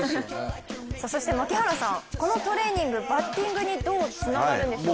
そして槙原さんこのトレーニングバッティングにどうつながるんでしょうか。